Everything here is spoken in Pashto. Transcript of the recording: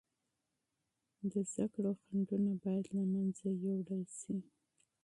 تعلیمي خنډونه باید له منځه یوړل سي.